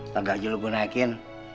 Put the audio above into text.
tengah julu gue naikin